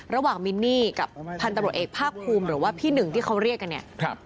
มินนี่กับพันธุ์ตำรวจเอกภาคภูมิหรือว่าพี่หนึ่งที่เขาเรียกกันเนี่ย